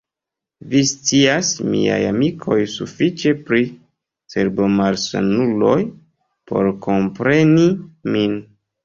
Vi scias, miaj amikoj, sufiĉe pri cerbomalsanuloj, por kompreni min.